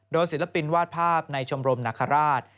โดยศิลปินวาดภาพในชมรมนาคาราช